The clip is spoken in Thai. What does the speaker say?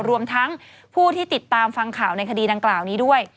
รวมทั้งผู้ที่ติดตามฟังข่าวในคดีดังกล่าวนี้ด้วย